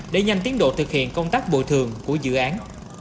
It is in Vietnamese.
để nhanh tiến độ thực hiện công tác bồi thường của dự án